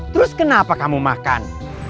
terus kenapa kamu makan